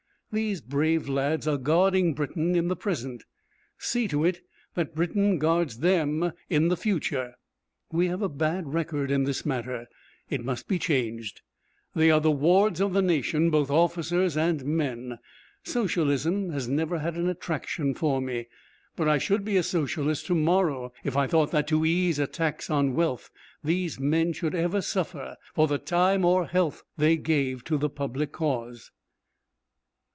These brave lads are guarding Britain in the present. See to it that Britain guards them in the future! We have a bad record in this matter. It must be changed. They are the wards of the nation, both officers and men. Socialism has never had an attraction for me, but I should be a Socialist to morrow if I thought that to ease a tax on wealth these men should ever suffer for the time or health that they gave to the public cause.